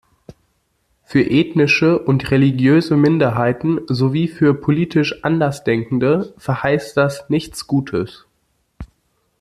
Für ethnische und religiöse Minderheiten sowie für politisch Andersdenkende verheißt das nichts Gutes.